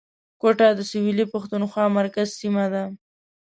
کوټه د سویلي پښتونخوا مرکز سیمه ده